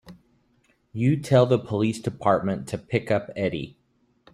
You tell the police department to pick up Eddie.